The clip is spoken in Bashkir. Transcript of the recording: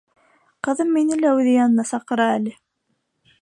Ҡыҙым мине лә үҙ янына саҡыра әле!